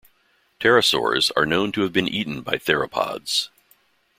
Pterosaurs are known to have been eaten by theropods.